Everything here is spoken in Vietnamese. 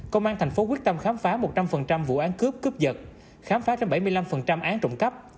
công an tp hcm quyết tâm khám phá một trăm linh vụ án cướp cướp giật khám phá một trăm bảy mươi năm án trụng cấp